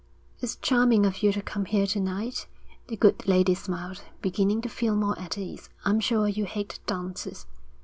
'It's charming of you to come here to night,' the good lady smiled, beginning to feel more at ease. 'I'm sure you hate dances.'